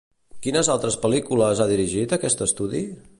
Quines altres pel·lícules ha dirigit aquest estudi?